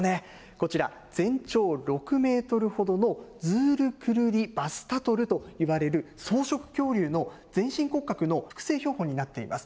こちら、全長６メートルほどのズール・クルリヴァスタトルといわれる、草食恐竜の全身骨格の複製標本になっています。